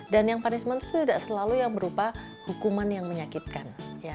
dan yang punishment itu tidak selalu yang berupa hukuman yang menyakitkan